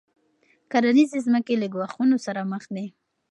کرنیزې ځمکې له ګواښونو سره مخ دي.